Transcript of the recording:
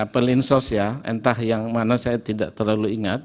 perlinsos ya entah yang mana saya tidak terlalu ingat